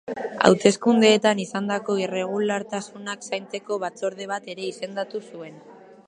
Hauteskundeetan izandako irregulartasunak zaintzeko batzorde bat ere izendatu zuen.